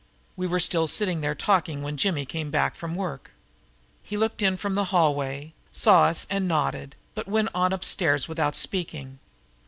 We were still sitting there talking when Jimmy came back from work. He looked in from the hallway, saw us and nodded, but went on upstairs without speaking.